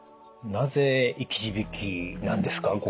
なぜ「生き字引」なんですか？